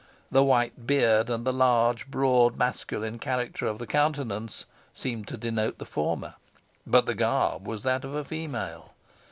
The white beard, and the large, broad, masculine character of the countenance, seemed to denote the, former, but the garb was that of a female.